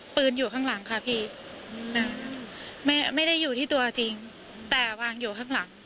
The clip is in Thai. อยู่ข้างหลังค่ะพี่ไม่ได้อยู่ที่ตัวจริงแต่วางอยู่ข้างหลัง